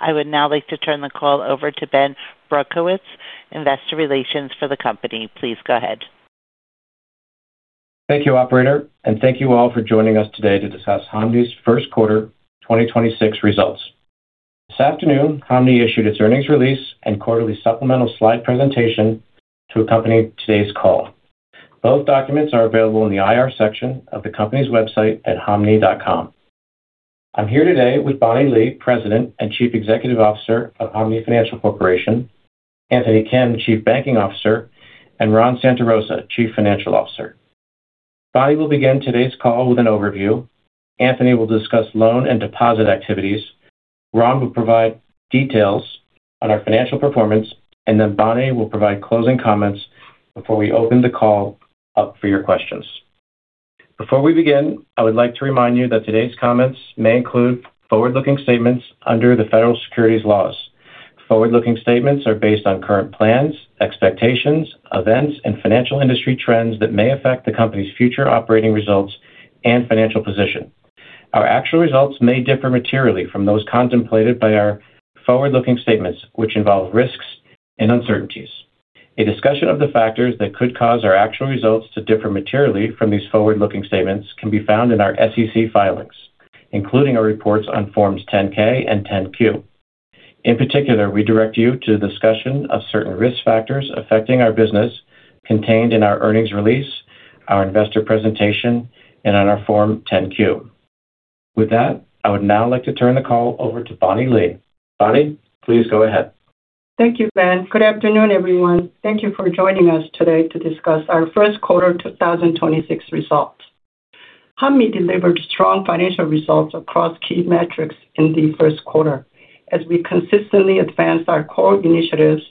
I would now like to turn the call over to Ben Brodkowitz, Investor Relations for the company. Please go ahead. Thank you, operator, and thank you all for joining us today to discuss Hanmi's first quarter 2026 results. This afternoon, Hanmi issued its earnings release and quarterly supplemental slide presentation to accompany today's call. Both documents are available in the IR section of the company's website at hanmi.com. I'm here today with Bonnie Lee, President and Chief Executive Officer of Hanmi Financial Corporation, Anthony Kim, Chief Banking Officer, and Ron Santarosa, Chief Financial Officer. Bonnie will begin today's call with an overview. Anthony will discuss loan and deposit activities. Ron will provide details on our financial performance, and then Bonnie will provide closing comments before we open the call up for your questions. Before we begin, I would like to remind you that today's comments may include forward-looking statements under the Federal Securities laws. Forward-looking statements are based on current plans, expectations, events, and financial industry trends that may affect the company's future operating results and financial position. Our actual results may differ materially from those contemplated by our forward-looking statements, which involve risks and uncertainties. A discussion of the factors that could cause our actual results to differ materially from these forward-looking statements can be found in our SEC filings, including our reports on Forms 10-K and 10-Q. In particular, we direct you to the discussion of certain risk factors affecting our business contained in our earnings release, our investor presentation, and on our Form 10-Q. With that, I would now like to turn the call over to Bonnie Lee. Bonnie, please go ahead. Thank you, Ben. Good afternoon, everyone. Thank you for joining us today to discuss our first quarter 2026 results. Hanmi delivered strong financial results across key metrics in the first quarter as we consistently advanced our core initiatives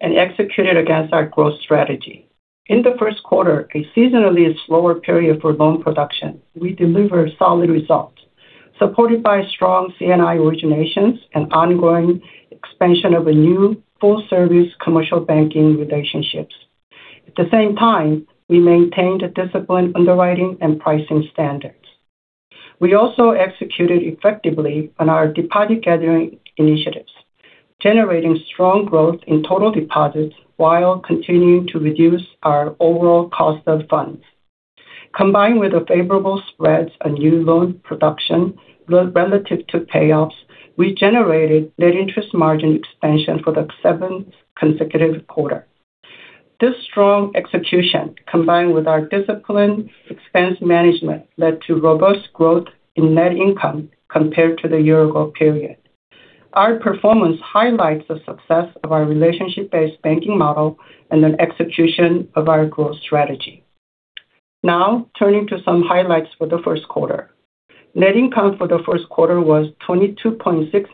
and executed against our growth strategy. In the first quarter, a seasonally slower period for loan production, we delivered solid results, supported by strong C&I originations and ongoing expansion of new full-service commercial banking relationships. At the same time, we maintained a disciplined underwriting and pricing standards. We also executed effectively on our deposit gathering initiatives, generating strong growth in total deposits while continuing to reduce our overall cost of funds. Combined with the favorable spreads on new loan production relative to payoffs, we generated net interest margin expansion for the seventh consecutive quarter. This strong execution, combined with our disciplined expense management, led to robust growth in net income compared to the year-ago period. Our performance highlights the success of our relationship-based banking model and an execution of our growth strategy. Now, turning to some highlights for the first quarter. Net income for the first quarter was $22.6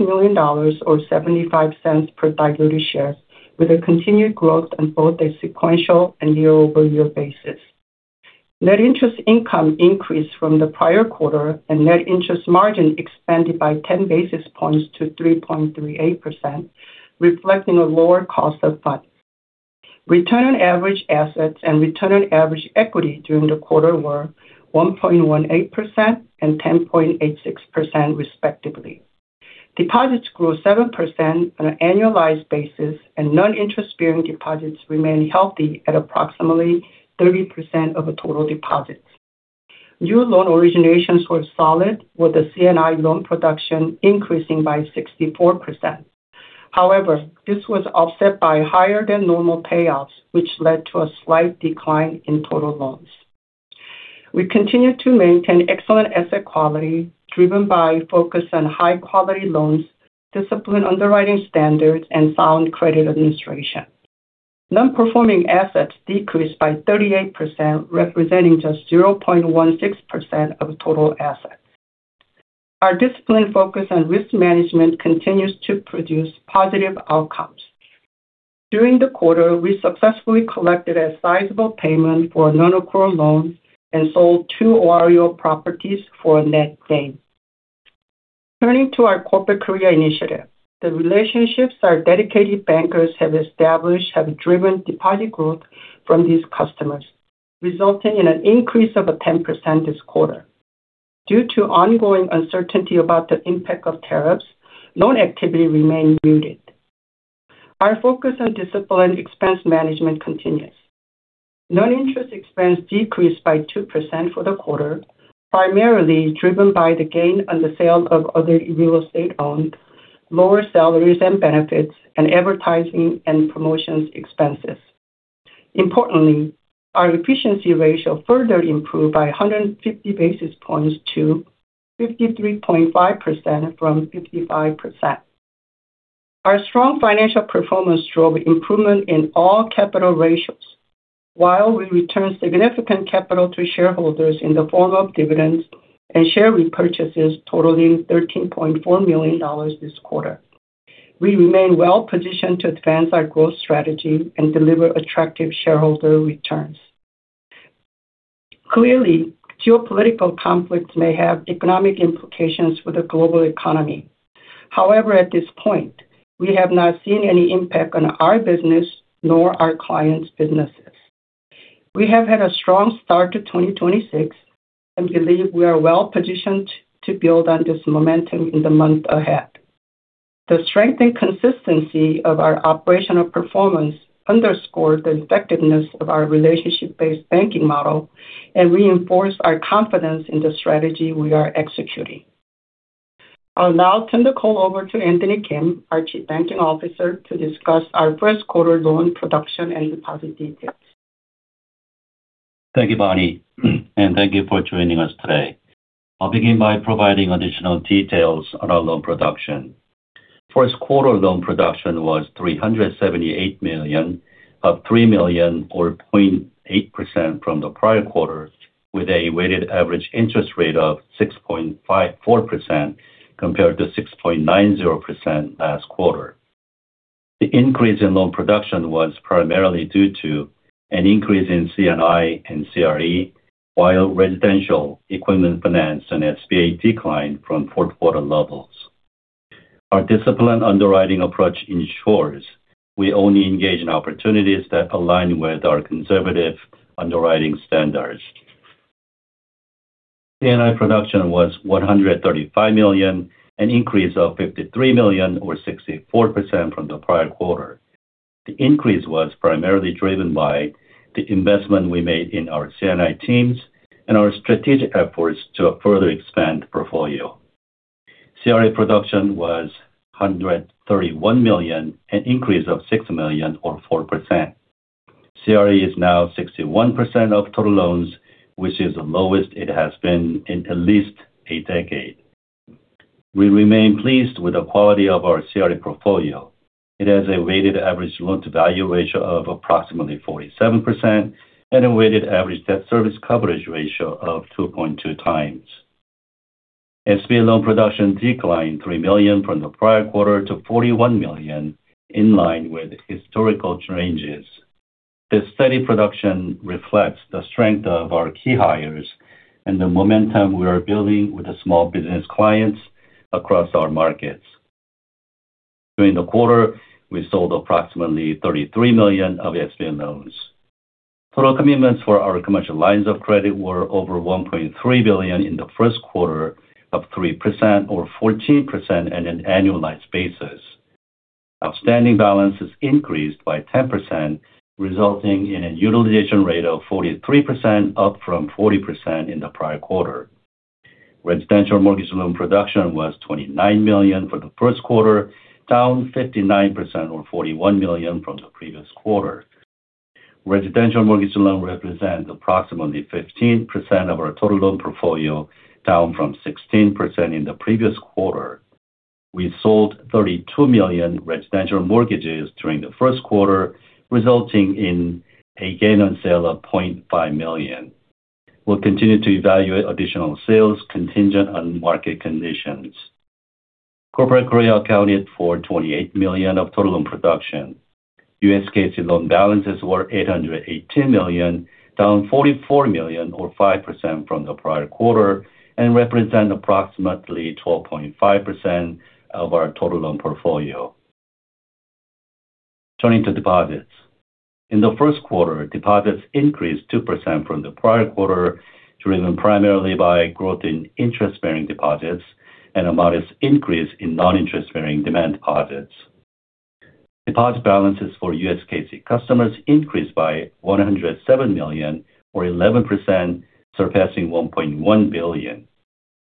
million, or $0.75 per diluted share, with a continued growth on both a sequential and year-over-year basis. Net interest income increased from the prior quarter, and net interest margin expanded by 10 basis points to 3.38%, reflecting a lower cost of funds. Return on average assets and return on average equity during the quarter were 1.18% and 10.86%, respectively. Deposits grew 7% on an annualized basis, and non-interest-bearing deposits remained healthy at approximately 30% of the total deposits. New loan originations were solid, with the C&I loan production increasing by 64%. However, this was offset by higher than normal payoffs, which led to a slight decline in total loans. We continue to maintain excellent asset quality driven by focus on high-quality loans, disciplined underwriting standards, and sound credit administration. Non-performing assets decreased by 38%, representing just 0.16% of total assets. Our disciplined focus on risk management continues to produce positive outcomes. During the quarter, we successfully collected a sizable payment for a non-accrual loan and sold two OREO properties for a net gain. Turning to our Corporate Korea initiative. The relationships our dedicated bankers have established have driven deposit growth from these customers, resulting in an increase of 10% this quarter. Due to ongoing uncertainty about the impact of tariffs, loan activity remained muted. Our focus on disciplined expense management continues. Non-interest expense decreased by 2% for the quarter, primarily driven by the gain on the sale of other real estate owned, lower salaries and benefits, and advertising and promotions expenses. Importantly, our efficiency ratio further improved by 150 basis points to 53.5% from 55%. Our strong financial performance drove improvement in all capital ratios, while we returned significant capital to shareholders in the form of dividends and share repurchases totaling $13.4 million this quarter. We remain well positioned to advance our growth strategy and deliver attractive shareholder returns. Clearly, geopolitical conflicts may have economic implications for the global economy. However, at this point, we have not seen any impact on our business nor our clients' businesses. We have had a strong start to 2026 and believe we are well-positioned to build on this momentum in the months ahead. The strength and consistency of our operational performance underscores the effectiveness of our relationship-based banking model and reinforce our confidence in the strategy we are executing. I'll now turn the call over to Anthony Kim, our Chief Banking Officer, to discuss our first quarter loan production and deposit details. Thank you, Bonnie, and thank you for joining us today. I'll begin by providing additional details on our loan production. First quarter loan production was $378 million, up $3 million or 0.8% from the prior quarter, with a weighted average interest rate of 6.54% compared to 6.90% last quarter. The increase in loan production was primarily due to an increase in C&I and CRE, while residential, equipment finance, and SBA declined from fourth quarter levels. Our disciplined underwriting approach ensures we only engage in opportunities that align with our conservative underwriting standards. C&I production was $135 million, an increase of $53 million or 64% from the prior quarter. The increase was primarily driven by the investment we made in our C&I teams and our strategic efforts to further expand the portfolio. CRE production was $131 million, an increase of $6 million or 4%. CRE is now 61% of total loans, which is the lowest it has been in at least a decade. We remain pleased with the quality of our CRE portfolio. It has a weighted average loan-to-value ratio of approximately 47% and a weighted average debt service coverage ratio of 2.2 times. SBA loan production declined $3 million from the prior quarter to $41 million, in line with historical ranges. This steady production reflects the strength of our key hires and the momentum we are building with the small business clients across our markets. During the quarter, we sold approximately $33 million of SBA loans. Total commitments for our commercial lines of credit were over $1.3 billion in the first quarter, up 3% or 14% on an annualized basis. Outstanding balances increased by 10%, resulting in a utilization rate of 43%, up from 40% in the prior quarter. Residential mortgage loan production was $29 million for the first quarter, down 59% or $41 million from the previous quarter. Residential mortgage loans represent approximately 15% of our total loan portfolio, down from 16% in the previous quarter. We sold $32 million residential mortgages during the first quarter, resulting in a gain on sale of $0.5 million. We'll continue to evaluate additional sales contingent on market conditions. Corporate Korea accounted for $28 million of total loan production. U.S. KC loan balances were $818 million, down $44 million or 5% from the prior quarter, and represent approximately 12.5% of our total loan portfolio. Turning to deposits. In the first quarter, deposits increased 2% from the prior quarter, driven primarily by growth in interest-bearing deposits and a modest increase in non-interest-bearing demand deposits. Deposit balances for U.S. KC customers increased by $107 million or 11%, surpassing $1.1 billion.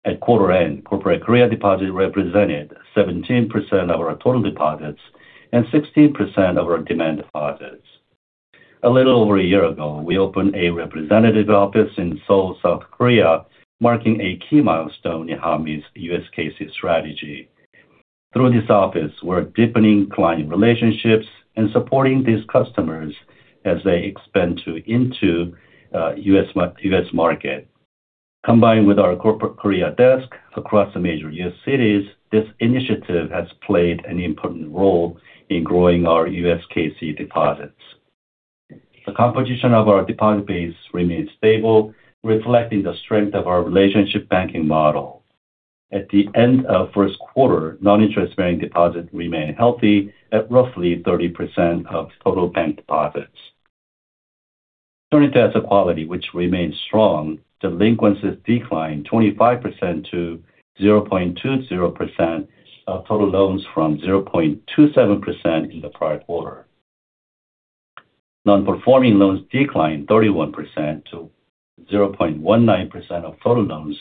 At quarter end, Corporate Korea deposits represented 17% of our total deposits and 16% of our demand deposits. A little over a year ago, we opened a representative office in Seoul, South Korea, marking a key milestone in Hanmi's U.S. KC strategy. Through this office, we're deepening client relationships and supporting these customers as they expand into U.S. market. Combined with our Corporate Korea desk across the major U.S. cities, this initiative has played an important role in growing our U.S. KC deposits. The composition of our deposit base remains stable, reflecting the strength of our relationship banking model. At the end of the first quarter, non-interest-bearing deposits remain healthy at roughly 30% of total bank deposits. Turning to asset quality, which remains strong, delinquencies declined 25% to 0.20% of total loans from 0.27% in the prior quarter. Non-performing loans declined 31% to 0.19% of total loans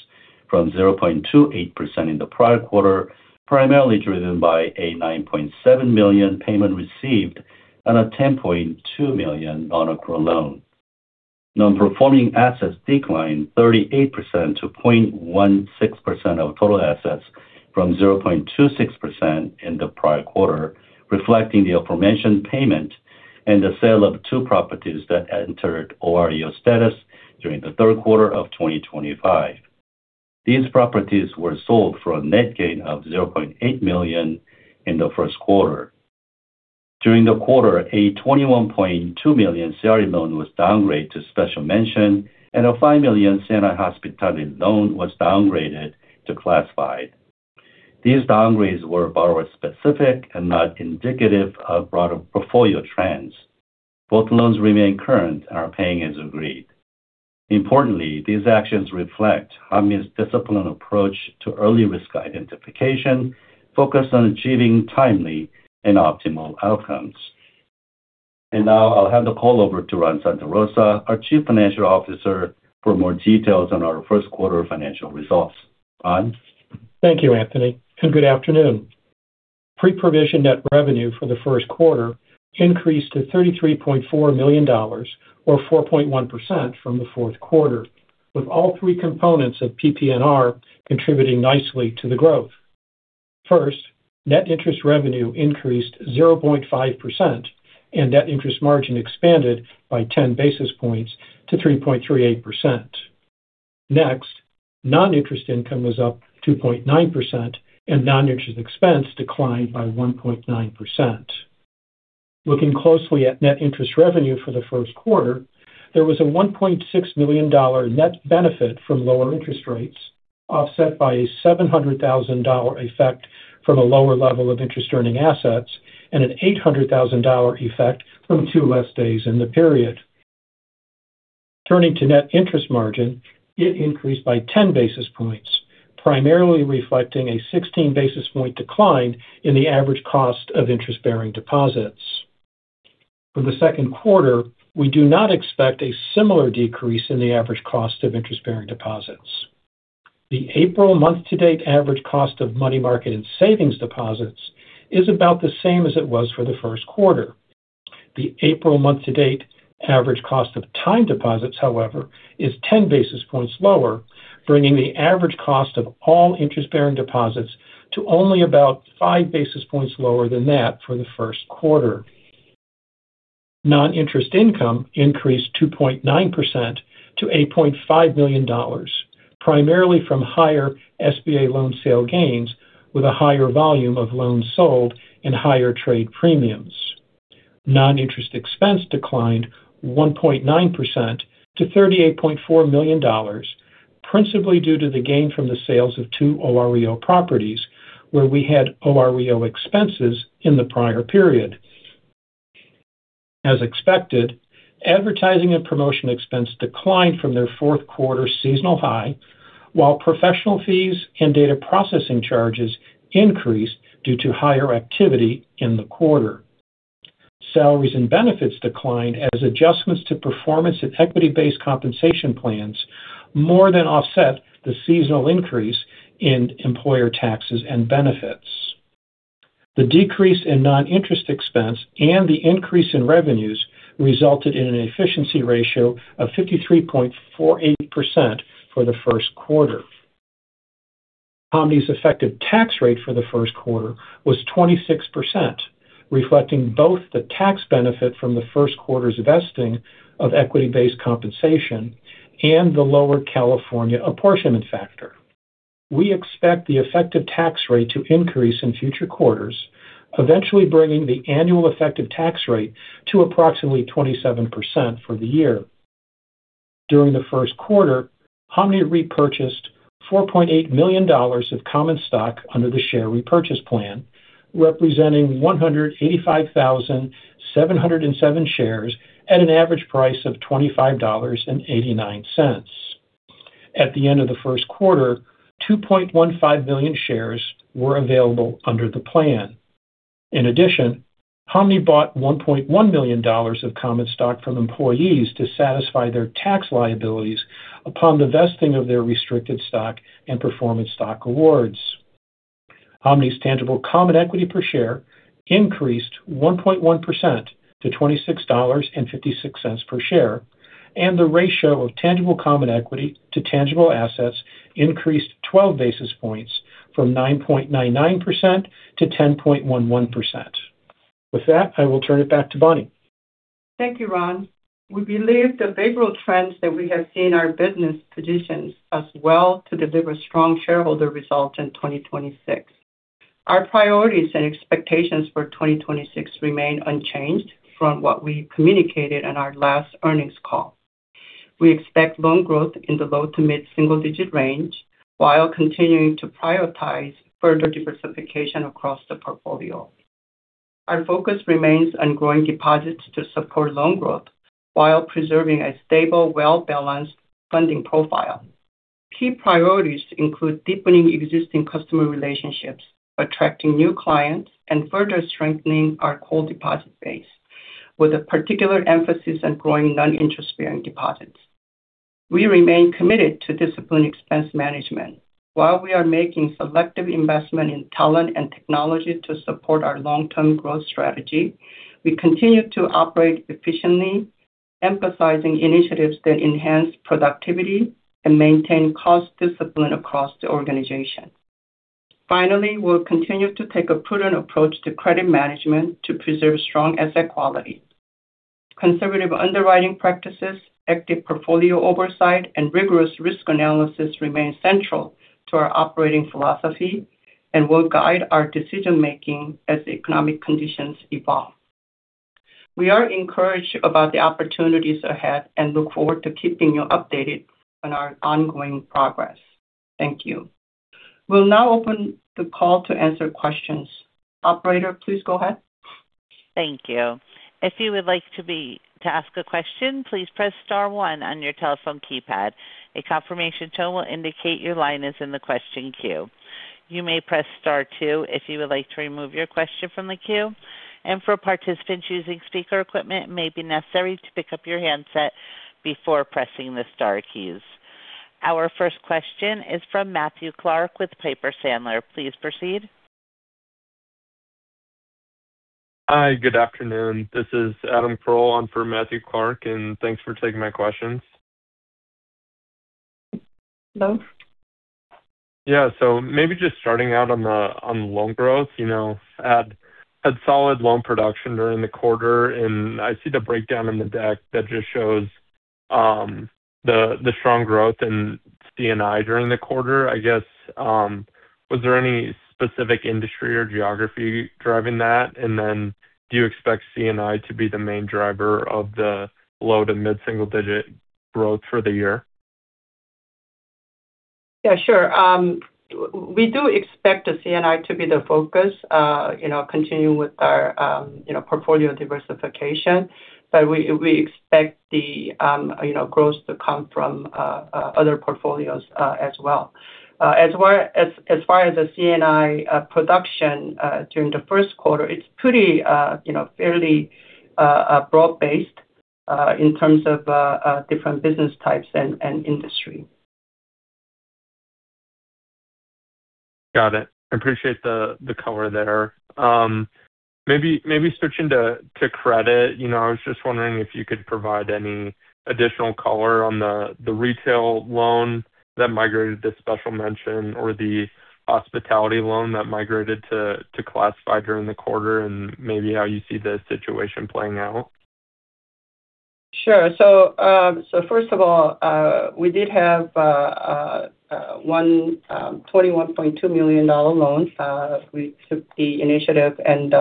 from 0.28% in the prior quarter, primarily driven by a $9.7 million payment received on a $10.2 million non-accrual loan. Non-performing assets declined 38% to 0.16% of total assets from 0.26% in the prior quarter, reflecting the aforementioned payment and the sale of two properties that entered OREO status during the third quarter of 2025. These properties were sold for a net gain of $0.8 million in the first quarter. During the quarter, a $21.2 million CRE loan was downgraded to special mention and a $5 million C&I hospitality loan was downgraded to classified. These boundaries were borrower specific and not indicative of broader portfolio trends. Both loans remain current and are paying as agreed. Importantly, these actions reflect Hanmi's disciplined approach to early risk identification, focused on achieving timely and optimal outcomes. Now I'll hand the call over to Ron Santarosa, our Chief Financial Officer, for more details on our first quarter financial results. Ron? Thank you, Anthony, and good afternoon. Pre-provision net revenue for the first quarter increased to $33.4 million, or 4.1% from the fourth quarter, with all three components of PPNR contributing nicely to the growth. First, net interest revenue increased 0.5%, and net interest margin expanded by 10 basis points to 3.38%. Next, non-interest income was up 2.9%, and non-interest expense declined by 1.9%. Looking closely at net interest revenue for the first quarter, there was a $1.6 million net benefit from lower interest rates, offset by a $700,000 effect from a lower level of interest-earning assets and an $800,000 effect from two less days in the period. Turning to net interest margin, it increased by 10 basis points, primarily reflecting a 16 basis points decline in the average cost of interest-bearing deposits. For the second quarter, we do not expect a similar decrease in the average cost of interest-bearing deposits. The April month-to-date average cost of money market and savings deposits is about the same as it was for the first quarter. The April month-to-date average cost of time deposits, however, is ten basis points lower, bringing the average cost of all interest-bearing deposits to only about five basis points lower than that for the first quarter. Non-interest income increased 2.9% to $8.5 million, primarily from higher SBA loan sale gains with a higher volume of loans sold and higher trade premiums. Non-interest expense declined 1.9% to $38.4 million, principally due to the gain from the sales of two OREO properties, where we had OREO expenses in the prior period. As expected, advertising and promotion expense declined from their fourth quarter seasonal high, while professional fees and data processing charges increased due to higher activity in the quarter. Salaries and benefits declined as adjustments to performance and equity-based compensation plans more than offset the seasonal increase in employer taxes and benefits. The decrease in non-interest expense and the increase in revenues resulted in an efficiency ratio of 53.48% for the first quarter. Hanmi's effective tax rate for the first quarter was 26%, reflecting both the tax benefit from the first quarter's vesting of equity-based compensation and the lower California apportionment factor. We expect the effective tax rate to increase in future quarters, eventually bringing the annual effective tax rate to approximately 27% for the year. During the first quarter, Hanmi repurchased $4.8 million of common stock under the share repurchase plan, representing 185,707 shares at an average price of $25.89. At the end of the first quarter, 2.15 million shares were available under the plan. In addition, Hanmi bought $1.1 million of common stock from employees to satisfy their tax liabilities upon the vesting of their restricted stock and performance stock awards. Hanmi's tangible common equity per share increased 1.1% to $26.56 per share, and the ratio of tangible common equity to tangible assets increased 12 basis points from 9.99% to 10.11%. With that, I will turn it back to Bonnie. Thank you, Ron. We believe the favorable trends that we have seen in our business positions us well to deliver strong shareholder results in 2026. Our priorities and expectations for 2026 remain unchanged from what we communicated on our last earnings call. We expect loan growth in the low to mid-single digit range while continuing to prioritize further diversification across the portfolio. Our focus remains on growing deposits to support loan growth while preserving a stable, well-balanced funding profile. Key priorities include deepening existing customer relationships, attracting new clients, and further strengthening our core deposit base, with a particular emphasis on growing non-interest-bearing deposits. We remain committed to disciplined expense management. While we are making selective investment in talent and technology to support our long-term growth strategy, we continue to operate efficiently, emphasizing initiatives that enhance productivity and maintain cost discipline across the organization. Finally, we'll continue to take a prudent approach to credit management to preserve strong asset quality. Conservative underwriting practices, active portfolio oversight, and rigorous risk analysis remain central to our operating philosophy and will guide our decision-making as economic conditions evolve. We are encouraged about the opportunities ahead and look forward to keeping you updated on our ongoing progress. Thank you. We'll now open the call to answer questions. Operator, please go ahead. Thank you. If you would like to ask a question, please press star one on your telephone keypad. A confirmation tone will indicate your line is in the question queue. You may press star two if you would like to remove your question from the queue. For participants using speaker equipment, it may be necessary to pick up your handset before pressing the star keys. Our first question is from Matthew Clark with Piper Sandler. Please proceed. Hi, good afternoon. This is Adam Pearl on for Matthew Clark, and thanks for taking my questions. Hello? Yeah. Maybe just starting out on the loan growth. Had solid loan production during the quarter, and I see the breakdown in the deck that just shows the strong growth in C&I during the quarter. I guess, was there any specific industry or geography driving that? And then do you expect C&I to be the main driver of the low to mid-single-digit growth for the year? Yeah, sure. We do expect the C&I to be the focus, continuing with our portfolio diversification. We expect the growth to come from other portfolios as well. As far as the C&I production during the first quarter, it's pretty fairly broad-based in terms of different business types and industry. Got it. I appreciate the color there. Maybe switching to credit. I was just wondering if you could provide any additional color on the retail loan that migrated to special mention or the hospitality loan that migrated to classified during the quarter and maybe how you see the situation playing out? Sure. First of all, we did have one $21.2 million loan. We took the initiative and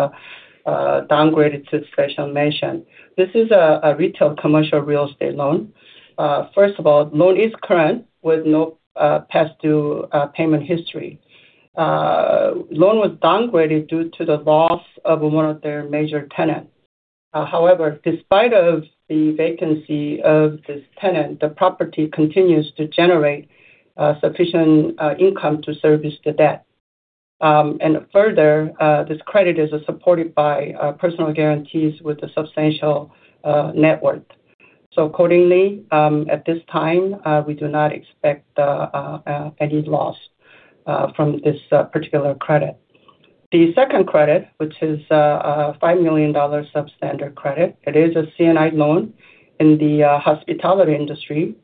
downgraded to special mention. This is a retail commercial real estate loan. First of all, loan is current with no past due payment history. Loan was downgraded due to the loss of one of their major tenants. However, despite the vacancy of this tenant, the property continues to generate sufficient income to service the debt. Further, this credit is supported by personal guarantees with a substantial net worth. Accordingly, at this time, we do not expect any loss from this particular credit. The second credit, which is a $5 million substandard credit, is a C&I loan in the hospitality industry.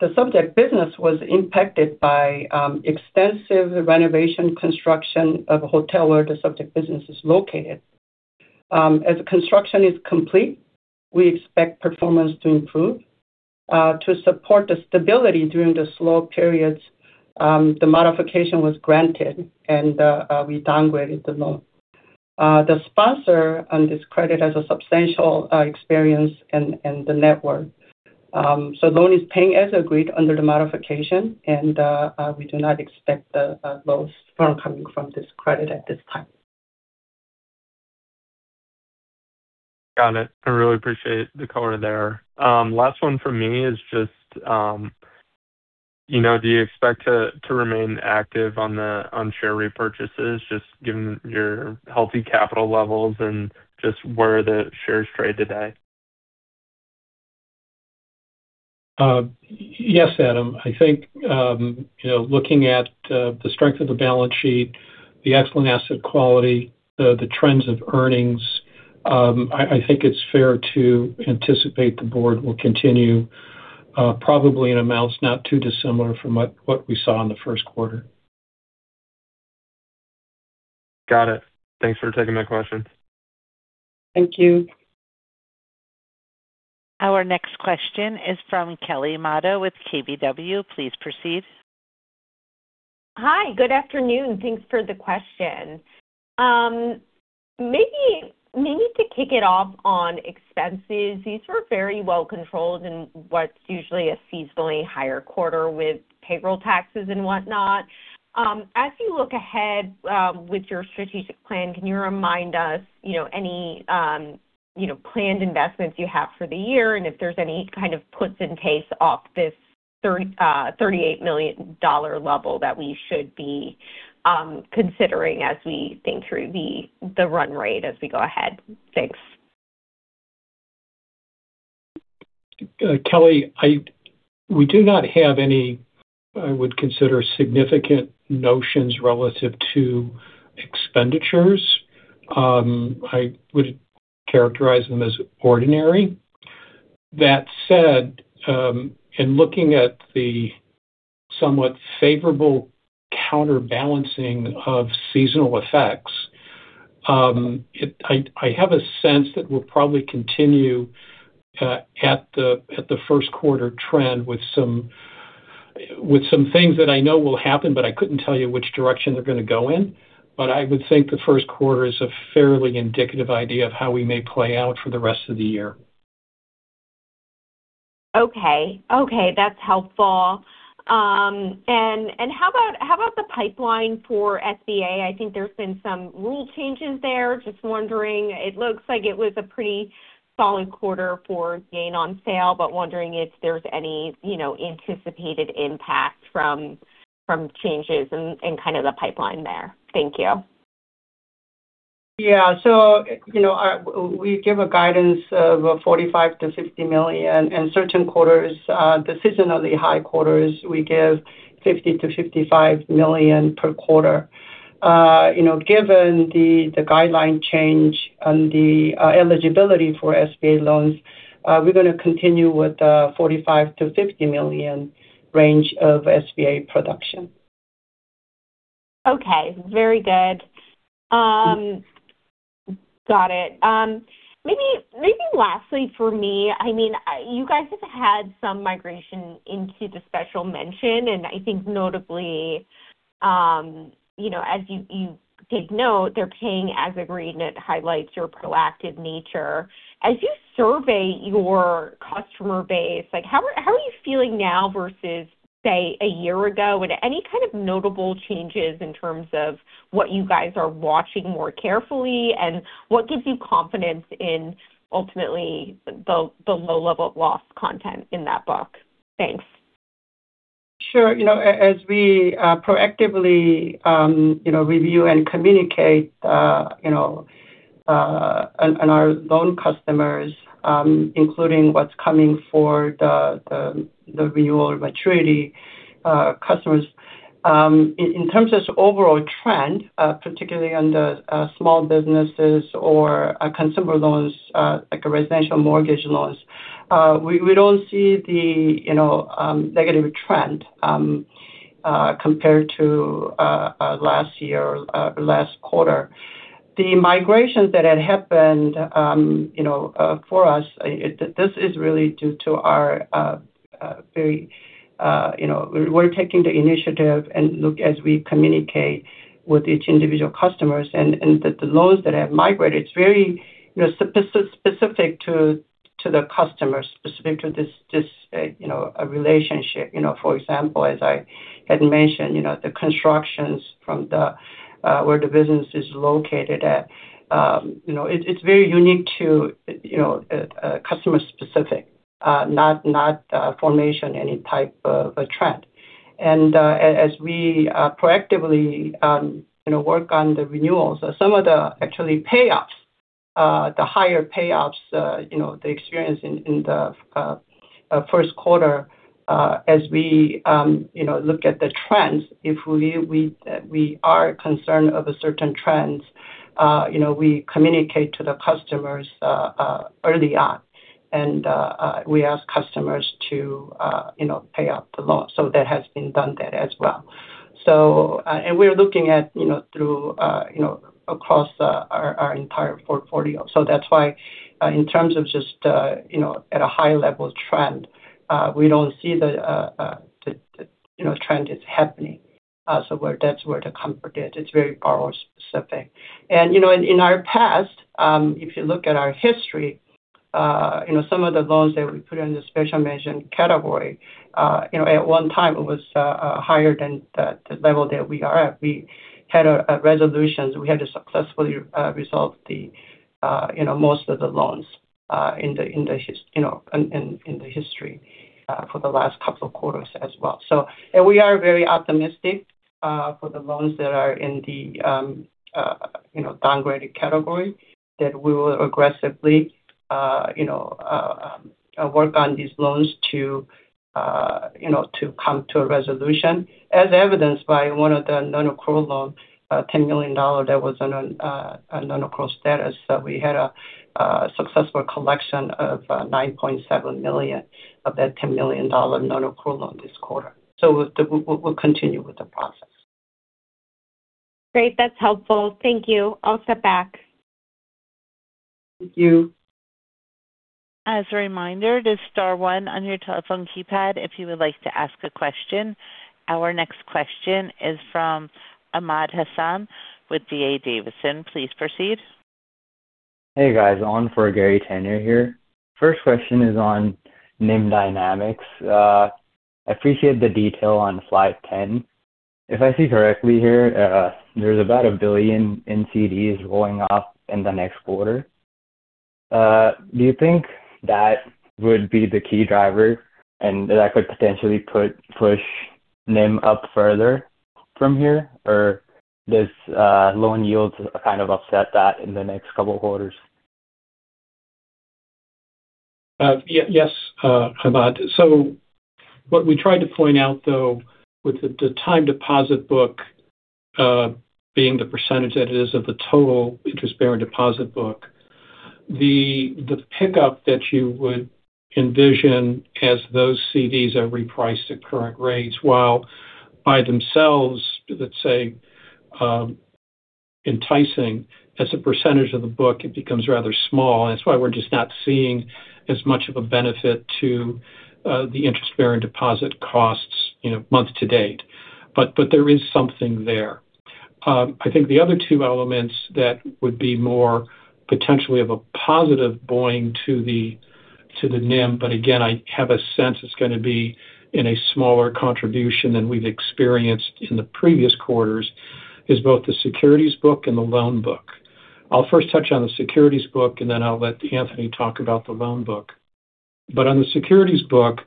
The subject business was impacted by extensive renovation construction of a hotel where the subject business is located. As construction is complete, we expect performance to improve. To support the stability during the slow periods, the modification was granted, and we downgraded the loan. The sponsor on this credit has a substantial experience and the net worth. Loan is paying as agreed under the modification, and we do not expect a loss coming from this credit at this time. Got it. I really appreciate the color there. Last one from me is just, do you expect to remain active on share repurchases, just given your healthy capital levels and just where the shares trade today? Yes, Adam. I think looking at the strength of the balance sheet, the excellent asset quality, the trends of earnings, I think it's fair to anticipate the board will continue probably in amounts not too dissimilar from what we saw in the first quarter. Got it. Thanks for taking my questions. Thank you. Our next question is from Kelly Motta with KBW. Please proceed. Hi, good afternoon. Thanks for the question. Maybe to kick it off on expenses, these were very well controlled in what's usually a seasonally higher quarter with payroll taxes and whatnot. As you look ahead with your strategic plan, can you remind us any planned investments you have for the year and if there's any kind of puts and takes off this $38 million level that we should be considering as we think through the run rate as we go ahead? Thanks. Kelly, we do not have any, I would consider, significant notions relative to expenditures. I would characterize them as ordinary. That said, in looking at the somewhat favorable counterbalancing of seasonal effects, I have a sense that we'll probably continue at the first quarter trend with some things that I know will happen, but I couldn't tell you which direction they're going to go in. I would think the first quarter is a fairly indicative idea of how we may play out for the rest of the year. Okay. That's helpful. How about the pipeline for SBA? I think there's been some rule changes there. Just wondering, it looks like it was a pretty solid quarter for gain on sale, but wondering if there's any anticipated impact from changes in the pipeline there. Thank you. Yeah. We give a guidance of $45 million-$50 million. In certain quarters, the seasonally high quarters, we give $50 million-$55 million per quarter. Given the guideline change on the eligibility for SBA loans, we're going to continue with the $45 million-$50 million range of SBA production. Okay, very good. Got it. Maybe lastly for me, you guys have had some migration into the special mention, and I think notably, as you take note, they're paying as agreed, and it highlights your proactive nature. As you survey your customer base, how are you feeling now versus, say, a year ago? Any kind of notable changes in terms of what you guys are watching more carefully, and what gives you confidence in ultimately the low level of loss content in that book? Thanks. Sure. As we proactively review and communicate on our loan customers, including what's coming for the renewal maturity customers. In terms of overall trend, particularly under small businesses or consumer loans like residential mortgage loans, we don't see the negative trend compared to last year or last quarter. The migrations that had happened for us, this is really due to our taking the initiative and, as we communicate with each individual customer. The loans that have migrated, it's very specific to the customer, specific to this relationship. For example, as I had mentioned, the constructions from where the business is located at. It's very unique to the customer specific, not formation any type of a trend. As we proactively work on the renewals, some of the actual payoffs, the higher payoffs they experienced in the first quarter as we look at the trends, if we are concerned of a certain trend, we communicate to the customers early on, and we ask customers to pay off the loan. That has been done as well. We're looking through our entire portfolio. That's why in terms of just at a high level trend, we don't see the trend is happening. That's where the comfort is. It's very borrower specific. In our past, if you look at our history some of the loans that we put in the special mention category, at one time it was higher than the level that we are at. We had a resolution. We had to successfully resolve most of the loans in the history for the last couple of quarters as well. We are very optimistic for the loans that are in the downgraded category, that we will aggressively work on these loans to come to a resolution, as evidenced by one of the non-accrual loan, $10 million that was on a non-accrual status, that we had a successful collection of $9.7 million of that $10 million non-accrual loan this quarter. We'll continue with the process. Great. That's helpful. Thank you. I'll step back. Thank you. As a reminder, it is star one on your telephone keypad if you would like to ask a question. Our next question is from Ahmad Hasan with D.A. Davidson. Please proceed. Hey, guys. On for Gary Tenner here. First question is on NIM dynamics. I appreciate the detail on slide 10. If I see correctly here, there's about $1 billion in CDs rolling off in the next quarter. Do you think that would be the key driver, and that could potentially push NIM up further from here? Or does loan yields kind of offset that in the next couple of quarters? Yes, Ahmad. What we tried to point out, though, with the time deposit book being the percentage that it is of the total interest-bearing deposit book, the pickup that you would envision as those CDs are repriced at current rates, while by themselves, let's say, enticing. As a percentage of the book, it becomes rather small, and that's why we're just not seeing as much of a benefit to the interest-bearing deposit costs month to date. There is something there. I think the other two elements that would be more potentially of a positive buoying to the NIM, but again, I have a sense it's going to be in a smaller contribution than we've experienced in the previous quarters, is both the securities book and the loan book. I'll first touch on the securities book, and then I'll let Anthony talk about the loan book. On the securities book,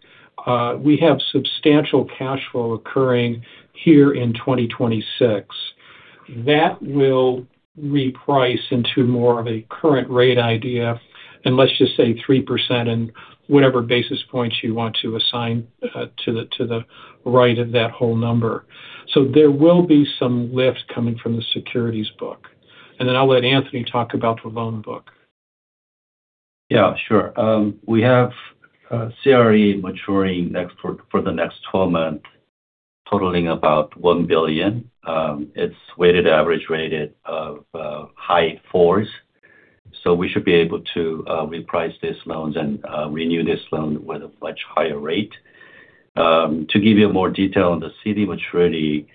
we have substantial cash flow occurring here in 2026. That will reprice into more of a current rate idea, and let's just say 3% and whatever basis points you want to assign to the right of that whole number. There will be some lift coming from the securities book. Then I'll let Anthony talk about the loan book. Yeah, sure. We have CRE maturing for the next 12 months, totaling about $1 billion. It's weighted average rate of high 4s. We should be able to reprice these loans and renew these loans with a much higher rate. To give you more detail on the CD maturity,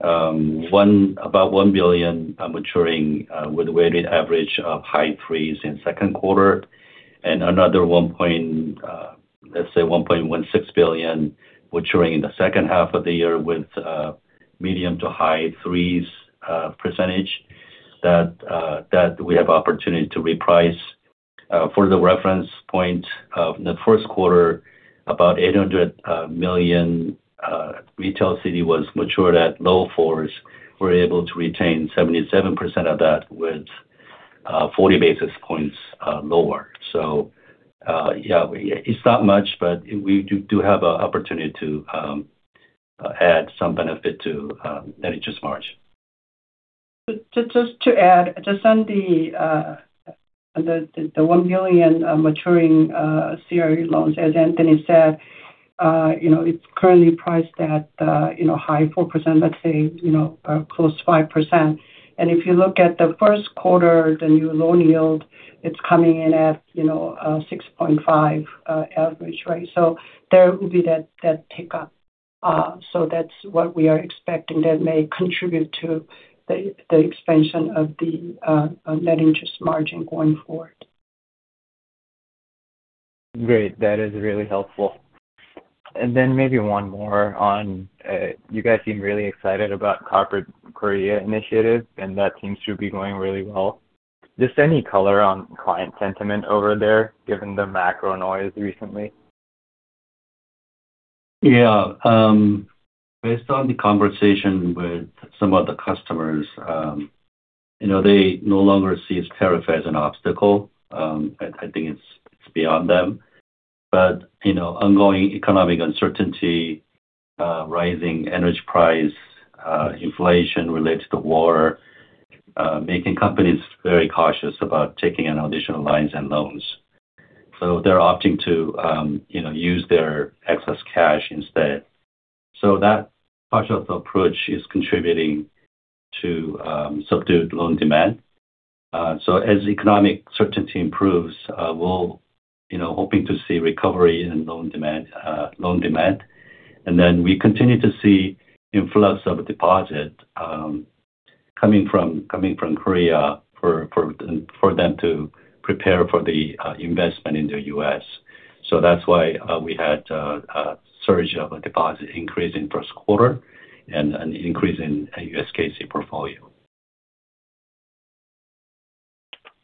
about $1 billion maturing with a weighted average of high 3s in the second quarter and another, let's say $1.16 billion maturing in the second half of the year with medium-to-high 3s percentage that we have opportunity to reprice. For the reference point of the first quarter, about $800 million retail CD was matured at low 4s. We're able to retain 77% of that with 40 basis points lower. Yeah, it's not much, but we do have an opportunity to add some benefit to net interest margin. Just to add, just on the $1 billion maturing CRE loans, as Anthony said, it's currently priced at high 4%, let's say close to 5%. If you look at the first quarter, the new loan yield, it's coming in at 6.5% average rate. There will be that pickup. That's what we are expecting that may contribute to the expansion of the net interest margin going forward. Great. That is really helpful. Maybe one more on, you guys seem really excited about Corporate Korea initiatives, and that seems to be going really well. Just any color on client sentiment over there, given the macro noise recently? Yeah. Based on the conversation with some of the customers, they no longer see tariff as an obstacle. I think it's beyond them. Ongoing economic uncertainty, rising energy price, inflation related to the war, making companies very cautious about taking on additional lines and loans. They're opting to use their excess cash instead. That partial approach is contributing to subdued loan demand. As economic certainty improves, we're hoping to see recovery in loan demand. Then we continue to see influx of deposit coming from Korea for them to prepare for the investment in the U.S. That's why we had a surge of deposit increase in first quarter and an increase in U.S. KC portfolio.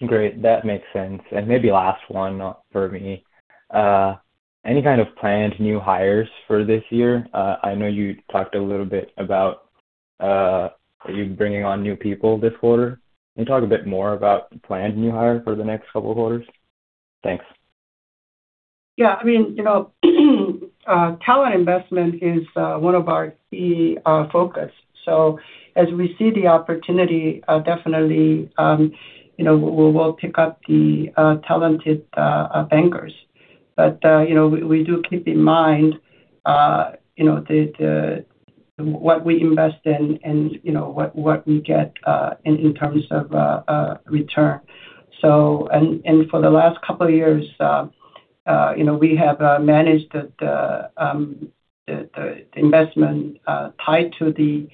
Great. That makes sense. Maybe last one for me. Any kind of planned new hires for this year? I know you talked a little bit about you bringing on new people this quarter. Can you talk a bit more about planned new hire for the next couple of quarters? Thanks. Yeah. Talent investment is one of our key focus. As we see the opportunity, definitely we'll pick up the talented bankers. We do keep in mind what we invest in and what we get in terms of return. For the last couple of years, we have managed the investment tied to the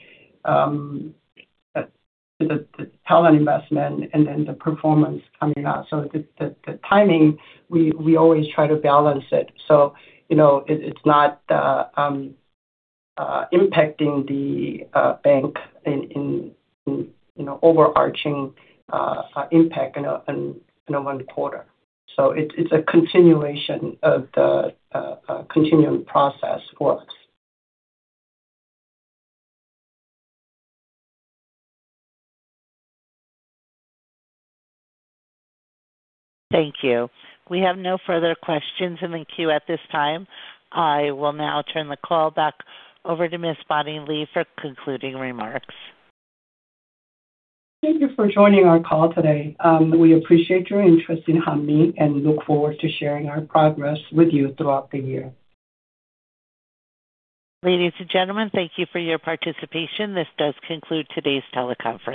talent investment and then the performance coming out. The timing, we always try to balance it so it's not impacting the bank in overarching impact in one quarter. It's a continuation of the continuing process for us. Thank you. We have no further questions in the queue at this time. I will now turn the call back over to Ms. Bonnie Lee for concluding remarks. Thank you for joining our call today. We appreciate your interest in Hanmi and look forward to sharing our progress with you throughout the year. Ladies and gentlemen, thank you for your participation. This does conclude today's teleconference.